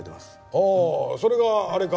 ああそれがあれか。